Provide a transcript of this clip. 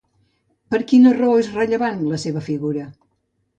Per quina raó és rellevant, la seva figura?